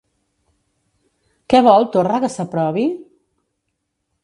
Què vol Torra que s'aprovi?